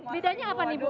bedanya apa nih ibu